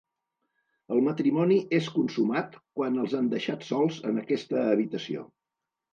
El matrimoni és consumat quan els han deixat sols en aquesta habitació.